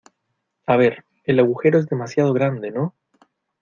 a ver, el agujero es demasiado grande ,¿ no?